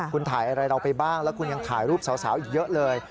คุณถ่ายอะไรเราไปบ้างแล้วคุณยังถ่ายรูปสาวอีกเยอะเลย